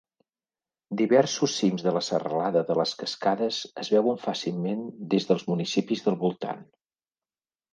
Diversos cims de la Serralada de les Cascades es veuen fàcilment des del municipis del voltant.